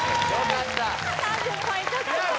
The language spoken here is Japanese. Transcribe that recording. ３０ポイント獲得です